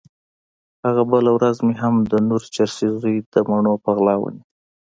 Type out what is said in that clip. هغه بله ورځ مې هم د نور چرسي زوی د مڼو په غلا ونيو.